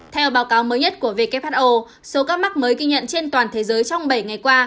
theo báo cáo mới nhất của who số ca mắc mới ghi nhận trên toàn thế giới trong bảy ngày qua